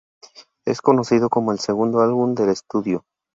Es conocido como el segundo álbum de estudio.